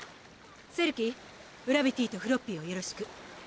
セルキーウラビティとフロッピーをよろしく。